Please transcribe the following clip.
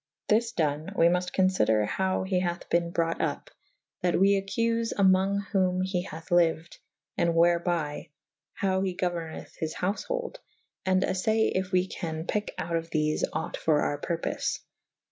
This done / we muft conlyder howe he hathe bene brought vp that we accufe / amonge whom he hathe lyued / and whereby / howe he gouernethe his houfhold /& alTay if we can pyke out of thefe ought for our purpoie.